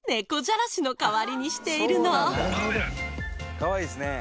かわいいですね